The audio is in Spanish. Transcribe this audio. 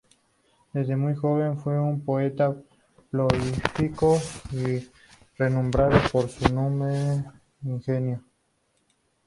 Desde muy joven fue un poeta prolífico y renombrado por su numen e ingenio.